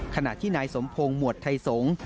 ขณะที่นายสมพงศ์หมวดไทยสงฆ์